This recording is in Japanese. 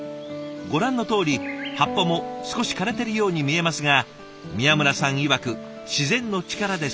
ご覧のとおり葉っぱも少し枯れてるように見えますが宮村さんいわく自然の力で育ったニンニクは